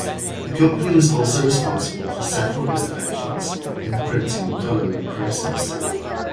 The company was also responsible for several innovations in the printing and coloring process.